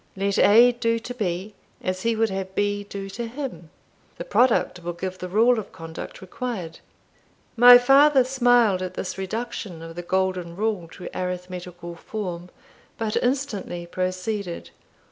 Let A do to B, as he would have B do to him; the product will give the rule of conduct required." My father smiled at this reduction of the golden rule to arithmetical form, but instantly proceeded.